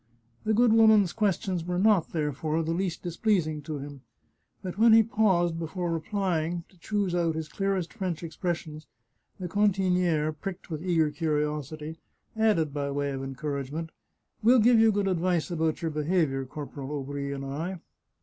The good woman's questions were not, therefore, the least displeasing to him, but when he paused before replying to choose out his clearest French expressions, the cantiniere, pricked with eager curiosity, added by way of encouragement, " We'll give you good advice about your behaviour, Corporal Aubry and I."